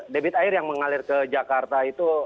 debit air yang mengalir ke jakarta itu